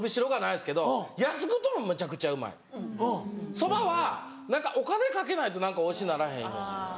そばはお金かけないとおいしならへんイメージです。